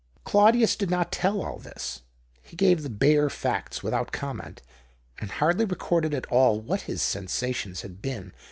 Claudius did not tell all this. He gave the bare facts without comment, and hardly recorded at all what his sensations had been.